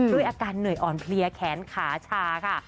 ด้วยอาการเหนื่อยอ่อนเพลียแขนขาชาค่ะ